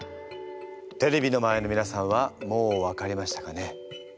テレビの前のみなさんはもう分かりましたかね？